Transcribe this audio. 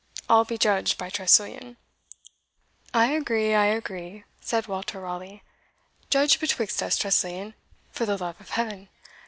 I'll be judged by Tressilian." "I agree I agree," said Walter Raleigh. "Judge betwixt us, Tressilian, for the love of heaven!"